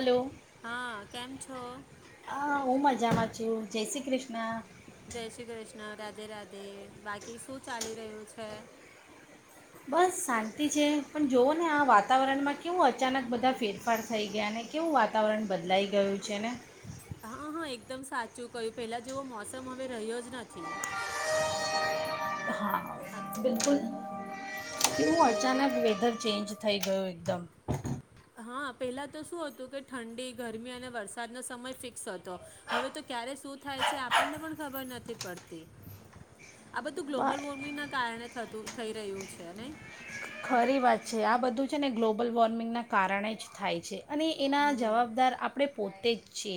Hello, હા કેમ છો હા હું મજામાં. જય શ્રી ક્રષ્ણ. જય શ્રી કૃષ્ણ રાધે રાધે બાકી શું ચાલી રહ્યું છે બસ શાંતિ છે, પણ જોવ ને આ વાતાવરણમાં કેવું અચાનક બધા ફેરફાર થઈ ગયા ને કેવું વાતાવરણ બદલાઈ ગયું છે ને હા, હા, એકદમ સાચું કહ્યું પેલા જેવો મોસમ હવે રહ્યો જ નથી. હા હા બિલકુલ એવું હલો અચાનક વેધર ચેન્જ થઈ ગયું એકદમ હા, પહેલાં તો શું હતું કે ઠંડી, ગરમી અને વરસાદનો સમય ફિક્સ હતો હવે તો ક્યારે શું થાય છે આપણને પણ ખબર નથી પડતી આ બધું ગ્લોબલ વોર્મિંગના કારણે થતું થઈ રહ્યું છે નહી ખરી વાત છે આ બધું છે ને ગ્લોબલ વોર્મિંગના કારણે જ થાય છે અને એના હમ જવાબદાર આપણે પોતે છે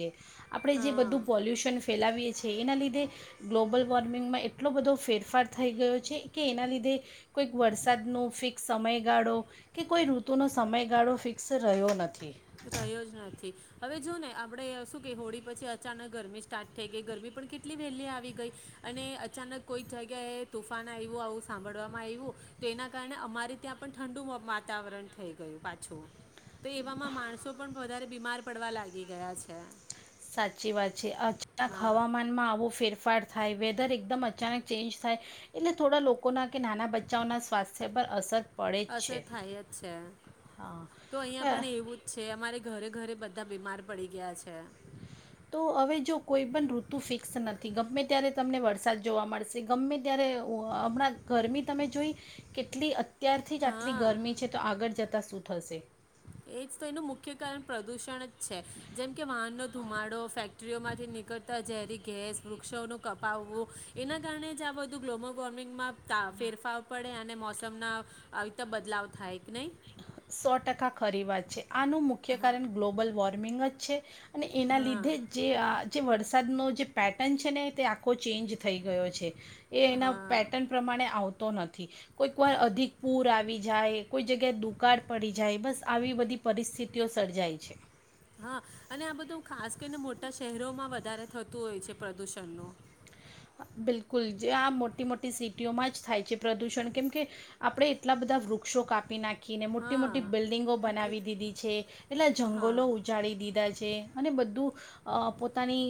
આપણે જે હા બધું પોલ્યુશન ફેલાવીએ છીએ એના લીધે ગ્લોબલ વોર્મિંગમાં એટલો બધો ફેરફાર થઈ ગયો છે કે એના લીધે કોઈક વરસાદનું ફિક સમયગાળો કે કોઈ ઋતુનો સમયગાળો ફિક્સ રહ્યો નથી રહ્યો જ નથી હવે જો ને આપણે શું કે હોળી પછી અચાનક ગરમી સ્ટાર્ટ થઈ ગઈ ગરમી પણ કેટલી વહેલી આવી ગઈ અને અચાનક કોઈક જગ્યાએ તુફાન આવ્યું આવું સાંભળમાં આવ્યું તો એના કારણે અમારે ત્યાં પણ ઠંડુ વાતાવરણ થઈ ગયું પાછું તો એવામાં માણસો પણ વધારે બીમાર પડવા લાગી ગયા છે સાચી વાત છે ક હા હવામાનમાં આવો ફેરફ ફેરફાર થાય વેધર એકદમ અચાનક ચેન્જ થાય એટલે થોડા લોકોના કે નાના બચ્ચાઓના સ્વાસ્થ્ય પર અસર પડે જ અસર છે થાય જ છે તો અહિયાં હા પણ એવું જ છે અમારે ઘરે ઘરે બધા બીમાર પડી ગયા છે તો હવે જો કોઈ પણણ ઋતુ ફિક્સ નથી ગમે ત્યારે તમને વરસાદ જોવા મળશે ગમે ત્યારે હમણાં ગરમી તમે જોઈ કેટલી ત્યારથી જ આટલી હા ગરમી છે તો આગળ જતા સુ થશે એ જ તો એનું મુખ્ય કારણ પ્રદૂષણ જ છે જેમ કે વાહનનો ધુમાડો ફેક્ટરીઓમાંથી નીકળતા ઝેરી ગેસ વૃક્ષોનું કપાવવું એના કારણે જ આ બધું ગ્લોબલ વોર્મિંગમાં ત ફેરફાવ પડે અને મો તમને આવી રીતે બદલાવ થાય કે નહીં સો ટકા ખરી વા જ આનું મુખ્ય હા કારણ ગ્લોબલ વોર્મિંગ જ છે અને એના હા લીધે જે આ જે વરસા વરસાદનો જે પેટર્ન છે ને તે આખો ચેન્જ થઈ ગયો છે એ એના હા પેટર્ન પ્રમાણે આવ નથી, કોઈ વાર અધિક પુર આવી જાય, કોઈ જગ્યા દુકાળ પડી જાય બસ આવી બધી પરિસ્થિતિઓ સર્જાય છે હા, અને આ બધું ખાસ કરીને મોટા શહેરોમાં વધારે થતું હોય છે પ્રદુષણનું બિલકુલ જે આ મોટી મોટી સિટીઓમાં જ થાય છે પ્રદૂષણ કેમ કે આપણે એટલા બધા વૃક્ષો કાપ આપી નાખીને મોટી હા મોટી બિલ્ડિંગો એ- બનાવી દીધી છે એટલા હા જંગલો ઉજાડી દીધા છે. અને બધું અ પોતાની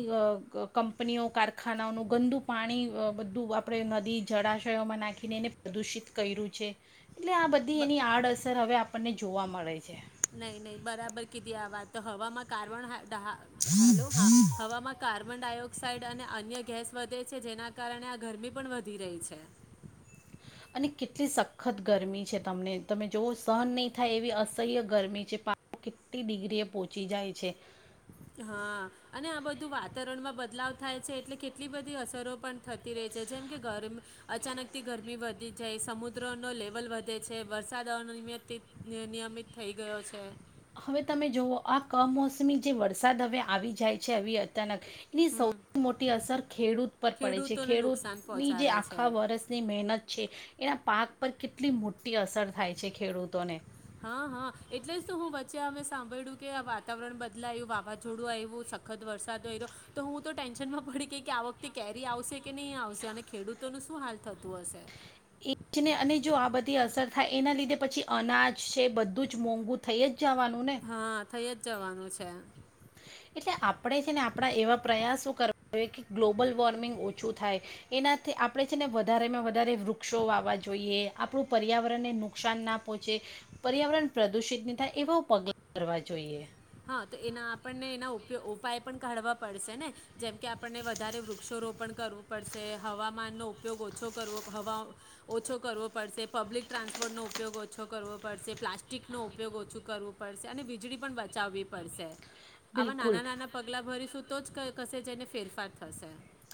કંપનીઓ કારખાનાઓનું ગંદુ પાણી બધું આપણે નદી જળાશયોમાં નાખીને એને પ્રદુષિત કર્યું છે. એટલે આ બધી બ- એની આડઅસર હવે આપણને જોવા મળે છે. નહીં નહીં બરાબર કીધી આ વાતતો, હવામાં કાર્બન હા હા. હેલો. હા, હવામાં કાર્બન કાર્બન ડાયોક્સાઇડ અને અન્ય ગેસ વધે છે જેના કારણે આ ગરમી પણ વધી રહી છે. અને કેટલી સખત ગરમી છે તમને તમે જોવો સહન નહીં થાય એવી અસહ્ય ગરમી છે. પા [inaudible] કેટલી ડિગ્રી એ પોહોંચી જાય છે હા. અને આ બધું વાતાવરણમાં બદલાવ થાય છે એટલે કેટલી બધી અસરો પણ થતી રહી છે જેમ કે ગરમ અચાનકથી ગરમી વધી જાય, સમુદ્રનો લેવલ વધે છે, વરસાદ અનિયમિતથી-અનિયમિત થઈ ગયો છે. હવે તમે જોવો, આ કમોસમી જે વરસાદ હવે આવી જાય છે આવી અચાનક એની હમ સૌથી મોટી અસર ખેડૂત પર પડે છે. ખેડૂતોને નુકસાન ખેડૂતની જે પહોંચાડે છે આખા વર્ષની મહેનત છે. એના પાક પર કેટલી મોટી અસર થાય છે ખેડૂતોને. હા-હા. એટલે જ તો હું વચ્ચે અમે સાંભળ્યું કે વાતાવરણ બદલાયું, વાવાઝોડું આવ્યું, સખત વરસાદ એ રહ્યો તો હું તો ટેન્શનમાં પડી કે કે આ વખતે કેરી આવશે કે નહીં આવશે અને ખેડૂત તો એનું શું હાલ થતું હશે. એજને અને જો આ બધી અસર થાય એના લીધે પછી અનાજ છે બધું જ મોંઘુ થઈ જ જવાનું ને હા થઇ જ જવાનું છે. એટલે આપણે છે ને આપણા એવા પ્રયાસો કરવા જોઈએ કે ગ્લોબલ વોર્મિંગ ઓછું થાય એનાથી આપણે છે ને વધારેમાં વધારે વૃક્ષો વાવા જોઈએ, આપણું પર્યાવરણને નુકસાન ના પહોંચે, પર્યાવરણ પ્રદુષિત નહીં થાય એવા પગલાં ભરવા જોઈએ. હા, તો એના આપણને એના ઉપાયો ઉપાય પણ કાઢવા પડશે ને. જેમકે આપણને વધારે વૃક્ષ રોપણ કરવું પડશે, હવામાનનો ઉપયોગ ઓછો કરવો, હવા ઓછો કરવો પડશે, પબ્લિક ટ્રાન્સપોર્ટનો ઉપયોગ ઓછો કરવો પડશે, પ્લાસ્ટિકનો ઉપયોગ ઓછો કરવો પડશે અને વીજળી પણ વધ બચાવવી પડશે. આવા બિલકુલ નાના નાના પગલા ભરીશું. તો જ ક કશે જેને ફેરફાર થશે.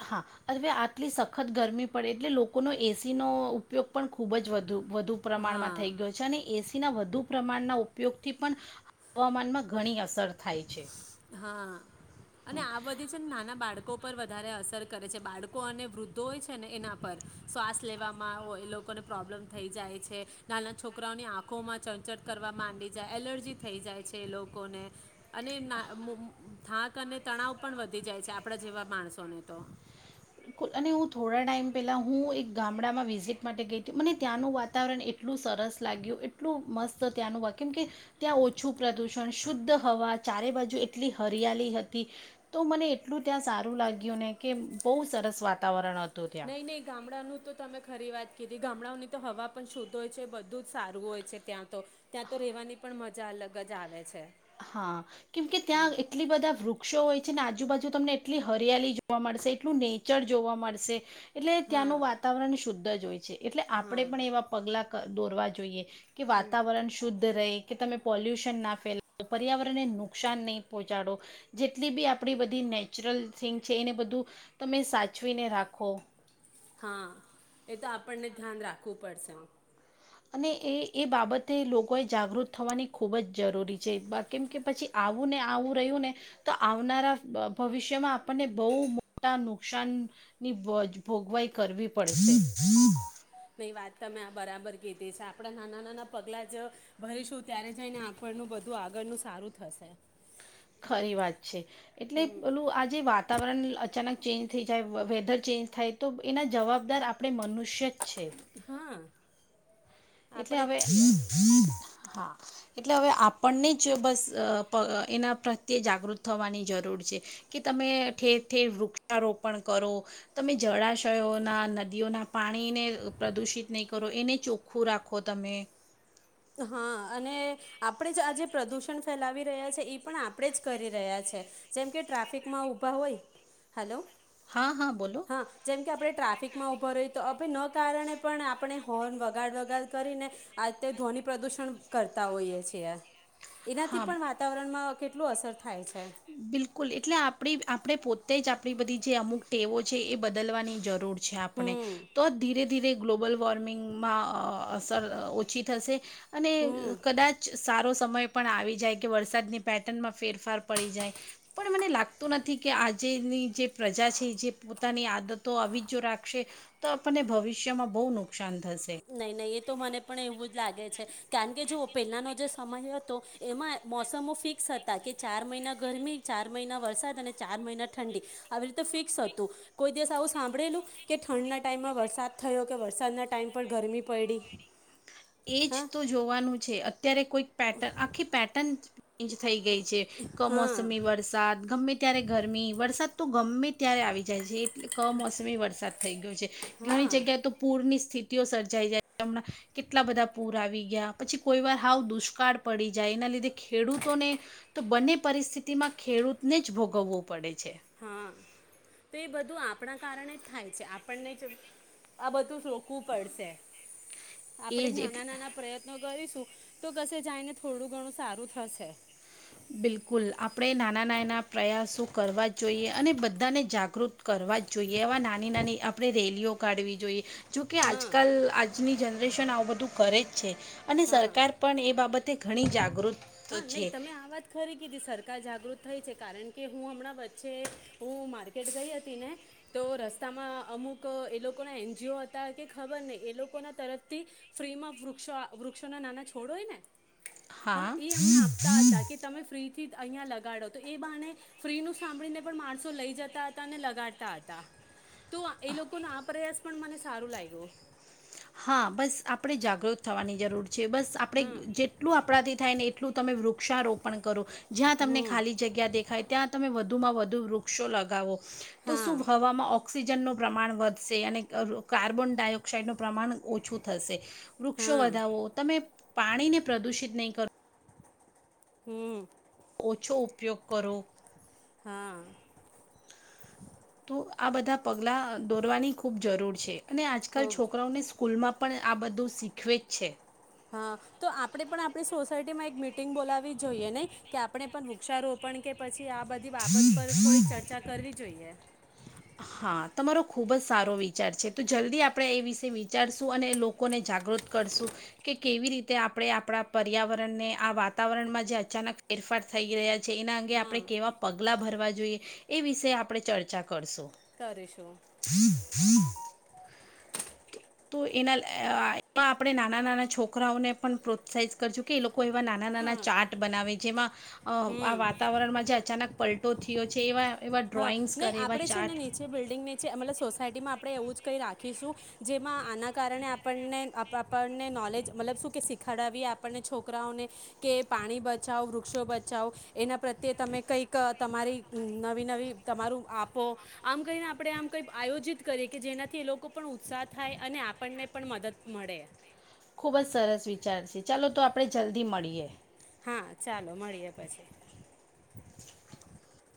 હા. હવે આટલી સખત ગરમી પડે એટલે લોકોનો એસીનો ઉપયોગ પણ ખૂબ જ વધુ વધુ હા પ્રમાણમાં થઈ ગયો છે અને એસી ના વધુ પ્રમાણના ઉપયોગથી પણ હવામાનમાં ઘણી અસર થાય છે. હા. હ અને આ બધી છે નાના બાળકો પર વધારે અસર કરે છે. બાળકો અને વૃદ્ધો હોય છે ને એના પર. શ્વાસ લેવામાં એ લોકોને પ્રોબ્લેમ થઈ જાય છે, નાના છોકરાઓની આંખોમાં ચરચર કરવા માંડી જાય, એલર્જી થઈ જાય છે એ લોકોને. અને ના થાંક અને તણાવ પણ વધી જાય છે આપણા જેવા માણસોને તો બિલકુલ અને હું થોડા ટાઈમ પહેલાં હું એક ગામડામાં વિઝિટ માટે ગઈ હતી મને ત્યાંનું વાતાવરણ એટલું સરસ લાગ્યું, એટલું મસ્ત ત્યાંનું વા, કેમ કે ત્યાં ઓછું પ્રદૂષણ, શુદ્ધ હવા, ચારે બાજુ એટલી હરિયાળ હતી. તો મને એટલું ત્યાં સારું લાગ્યું ને કે બહુ સરસ વાતાવરણ હતું. ત્યાં નહી નહી ગામડાનું તો તમે ખરી વાત કીધી ગામડાઓની તો હવા પણ શુદ્ધ હોય છે, બધું જ સારું હોય છે, ત્યાં તો ત્યાં તો રહેવાની પણ મજા અલગ જ આવે છે. હા, કેમ કે ત્યાં એટલી બધા વૃક્ષો હોય ને આજુબાજુ તમને એટલી હરિયાળલી જોવા મળશે, એટલું નેચર જોવા મળશે. એટલે હા ત્યાંનું વાતાવરણ શુદ્ધ છે. છે. એટલે આપણે હા પણ એવા પગલાં દોરવા જોઈએ. કે વાતાવરણ શુદ્ધ રહે કે તમે પોલ્યુશન ના ફેલ પર્યાવરણને નુકસાન નહી પહોંચાડો, જેટલી બી આપણી બધી નેચરલ થિંગ છે એને બધું તમે સાચવીને રાખો. હા એ તો આપણને ધ્યાન રાખવું પડશે. અને એ એ બાબતે લોકો એ જાગૃત થવાની ખુબ જ જરૂરી છે કેમ કે પછી આવું ને આવું રહ્યું ને તો આવનારા ભવિષ્યમાં આપણને બહુ મોટા નુકસાન ની ભોગવાઈ કરવી પડશે. નહી વાત તમે આ બરાબર કીધી છે આપણા નાના નાના પગલા જ ભરીશું ત્યારે જઈને આંગખળનું બધું આગળનું સારું થશે. ખરી વાત છે એટલે પેલું આ જે વાતાવરણ અચાનક ચેન્જ થઈ જાય વેધર ચેન્જ થાય તો એના જવાબદાર આપણે મનુષ્ય છે. હા એટલે આપણે જ હવે છીએ હા. એટલે હવે આપણને જ બસ એના પ્રત્યે જાગૃત થવાની જરૂર છે કે તમે ઠેર ઠેર વૃક્ષારોપણ કરો તમે જળાશયો તેયોના નદીઓના પાણીને પ્રદૂષિત નહીં કરો એને ચોખ ઓખું રાખો તમે. હા અને આપણે જ આ જે પ્રદૂષણ ફેલાવી રહ્યા છે એ પણ આપણે જ કરી રહ્યા છે જેમ કે ટ્રાફિકમાં ઊભા હોય હેલો. હા હા બોલો. આપણે ટ્રાફિકમાં ઉભો ર તો કારણે પણ આપણે હોર્ન વગાડ વગાડ કરીને ધ પ્રદુષણ કરતા હોઈએ છીએ. એનાથી હા પણ વાતાવરણમાં કેટ કેટલું અસર થાય છે. બિલકુલ એટલે આપડી આપણે પોતે તે જ આપણી બધી જે અમુક ટેવો છે એ બદલવાની જરૂર છે આપણે હમ તો ધીરે ધ ધીરે ગ્લોબલ વોર્મિંગમાં અસર ઓછી થશે અને કદાચ સારો સમય પણ આવી જાય કે વરસાદની પેટર્નમાં ફેરફાર પડી જાય પણ મને લાગતું નથી કે આજેની જે પ્રજા છે જે પોતાની આદતો આવી જો રાખશે તો આપણને ભવિષ્યમાં બહુ નુકસાન થ નહી નહી એ તો મને પણ એવું જ લાગે છે કારણ કે જો પહેલાનો જે સમય હતો એમાં મોસમો ફિક્સ હતા કે ચાર મહિના ગરમી ચાર મહિના વરસાદ અને ચાર મહિના ઠંડી આવી રીતે ફિક્સ હતું કોઈ દિવસ આવું સાંભળેલું કે ઠંના ટાઈમમાં વરસાદ થયો કે વરસાદના ટાઈમ પણ ગરમી પડીડી. એ જ તો જોવાનું છે અત્યારે કોઈ પેટર્ન આખી પેટર્ન એ જ ચેન્જ થઈ ગઈ છે હા કમોસમી વરસાદ ગમે ત્યારે ગરમી વરસાદ તો ગમે ત્યારે આવી જાય છે એટલે કમોસમી વરસાદ થઈ ગયો છે ઘણી હા જગ્યાએ તો પૂરની સ્થિતિઓ સર્જાઈ જાય હમ કે એટલા બધા પૂર આવી ગયા પછી કોઈ વાર હાવ દુષ્કાળ પડી જાય એના લીધે ખેડૂતોને, તો બંને પરિસ્થિતિમાં ખેડૂતને જ ભોગવવું પડે છે. હા તો એ બધું આપણા કારણે જ થાય છે આપણને જ આ બધું રોકવું પડશે. એ આપડે જ નાના નાના પ્રયત્નો કરીશું તો કશે જઈને થોડું ઘણું સારું થશે. બિલકુલ આપણેે નાના નાના પ્રયાસો કરવા જોઈએ અને બધાને જાગૃત કરવા જ જોઈએ એવા નાની નાની આપણે રેલીઓ કાઢવી જોઈએ. જોકે આજ હા કલ આજની જન ઓપરેશન આવું બધું કરે જ છે અને હા સરકાર પણ એ બાબત ઘણી જાગૃત હા નહી છે તમે આ વાત ખરી કીધી સરકાર જાગૃત થઈ છે કારણ કે હું હમણાં વચ્ચે, હું માર્કેટ ગઈ હતી ને, તો રસ્તામાં અમુક એ લોકોના એનજીઓ હતા કે ખબર નને એ લોકો ના તરફથી, ફ્રીમાં વૃક્ષો વૃક્ષો ના નાના છોડોય ને હા. અમને આપતા હતા કે તમે ફ્રીથી થી અહીં લગાડો તો એ બહાને, ફ્રીનું સાંભળીને પણ માણસો લઈ જતા હતા અને લગાડતા હતા. તો એ લોકોનો આ પ્રયાસ પણ મને સારું લાગ્યું. હા બસ આપણેે જાગૃત થવાની જરૂર છે બસ આપડે હમ જેટલું આપણાથી થાય ને એટલું તમે વૃક્ષારોપણ કરો. જ્યાં તમને હમ ખાલી જગ્યા દેખાય ત્યાં તમે વધુમાં વધુ વૃક્ષો લગાવો. તો હા શું હવામાં ઓક્સિજન ન પ્રમાણ વધ અને કાર્બન ડાયોક્સાઇડ નો પ્રમાણ ઓછું થશે. વૃક્ષો હા વધાવો તમે પાણીને પ્રદૂષિત નહીં કરો. હમ. ઓછો ઉપયોગ કરો. હા. તો આ બધા પગલાં દોરવાની ખૂબ જરૂર છે. અને આજકાલ ખૂબ છોકરાઓને સ્કૂલમાં પણ આ બધું શીખવે જ છે. હા, તો આપણે પણ આપણી સોસાયટીમાં એક મીટિંગ બોલાવી જોઈએ નહી, કે આપણે પણ વૃક્ષારોપણ કે પછી આ બધી બાબત પર થોડીક ચર્ચા કરવી જોઈએ. હા તમારો ખૂબ જ સારો વિચાર છે તો જલ્દી આપણે એ વિશે વિચારશું અને લોકોને જાગૃત કરશું કે કેવી રીતે આપણે આપણા પર્યાવરણને આ વાતાવરણમાં જે અચાનક ફેરફાર થઈ રહ્યા છે. એના અંગે આપણે હા કેવા પગલા ભરવા જોઈએ. એ વિષ આપણે ચર્ચા કરશું. કરીશું. હમ હમ. તો એના એમાં આપણે નાના નાના છોકરાઓને પણ પ્રોત્સાહિત કરશું કે એ લોકો કે એવા નાના નાના હા ચાટ બનાવે જેમાં અ આ હમ વાતાવરણમાં જે અચાનક પલટો થયો છે એવા એવા હા ડ્રોઈંગ્સ નહી કરે એવા આપડે છે ને ચાર્ટ નીચે બિલ્ડિંગ નીચે મતલબ સોસાયટીમાં આપણે એવું જ કંઈ રાખીશું જેમાં આના કારણે આપણને આપણને નોલેજ મતલબ શું કે શીખડવીીએ આપણને છોકરાઓને કે પાણી બચાવો વૃક્ષો બચાવો એના પ્રત્યે તમે કંઈક તમારી નવી નવી તમારું આપો આમ કહીને આપણે આમ કંઈ આયોજિત કરીએ કે જેનાથી એ લોકો પણ ઉત્સાહ થાય અને આપણને પણ મદદ મળે. ખુબ જ સરસ વિચાર છે ચાલો તો આપડણે જલ્દી મળીએ. હા ચાલો મળીએ પછી.